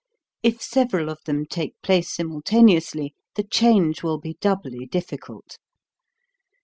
If several of them take place simul taneously, the change will be doubly difficult.